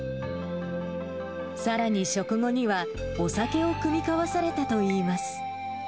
さらに食後にはお酒を酌み交わされたといいます。